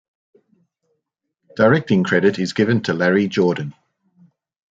Directing credit is given to Larry Jordan.